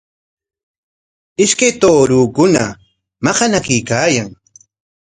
Ishkay tuurukuna maqanakuykaayan.